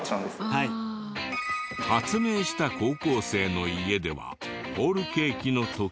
発明した高校生の家ではホールケーキの時。